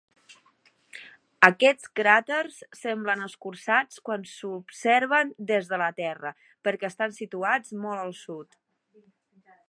Aquests cràters semblen escorçats quan s'observen des de la Terra perquè estan situats molt al sud.